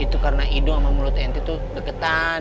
itu karena hidung sama mulut enti tuh deketan